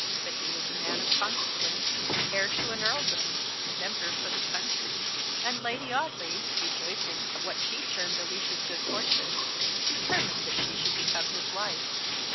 But he was a man of consequence; heir to an earldom; member for the county; and Lady Audley, rejoicing at what she termed Alicia's good fortune, determined that she should become his wife.